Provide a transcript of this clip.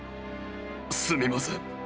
すみません。